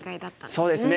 そうですね。